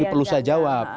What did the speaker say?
ini perlu saya jawab